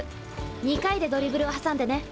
２回でドリブルを挟んでね。